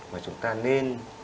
mà chúng ta nên